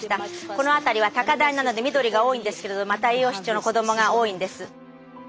この辺りは高台なので緑が多いんですけれどまた栄養失調の子供が多いんです。